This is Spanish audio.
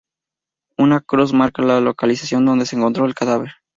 Una cruz marca la localización donde se encontró el cadáver.